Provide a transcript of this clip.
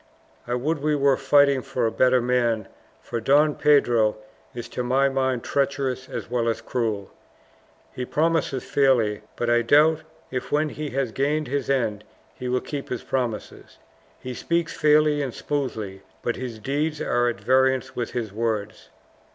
I would we were fighting for a better man, for Don Pedro is to my mind treacherous as well as cruel. He promises fairly, but I doubt if when he has gained his end he will keep his promises. He speaks fairly and smoothly, but his deeds are at variance with his words."